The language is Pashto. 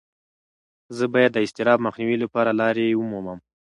زه باید د اضطراب مخنیوي لپاره لارې ومومم.